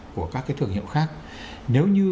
của các cái thương hiệu khác nếu như